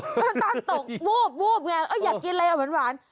น้ำตาลตกวูบวูบไงอยากกินอะไรอ่ะหวาน